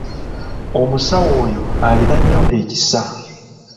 Omusawo oyo alina nnyo ekisa.